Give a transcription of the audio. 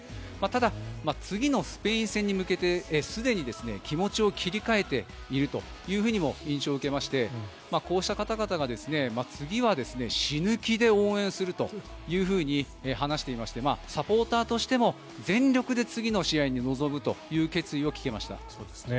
ただ次のスペイン戦に向けてすでに気持ちを切り替えているという印象を受けましてこうした方々が次は死ぬ気で応援するというふうに話していましてサポーターとしても全力で次の試合に臨むという決意を聞けました。